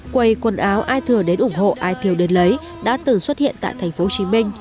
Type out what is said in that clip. quầy quần áo ai thừa đến ủng hộ ai tiêu đến lấy đã từng xuất hiện tại thành phố hồ chí minh